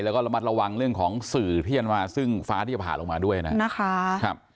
แล้วก็ระมัดระวังเรื่องของสื่อที่อันมาซึ่งฟ้าที่จะผ่าลงมาด้วยนะครับ